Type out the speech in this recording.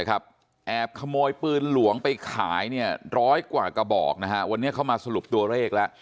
แอบขโมยปืนหลวงไปขายร้อยกว่ากระบอกวันนี้เข้ามาสรุปตัวเลขแล้ว